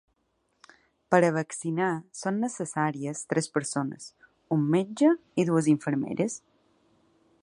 Per a vaccinar són necessàries tres persones: un metge i dues infermeres.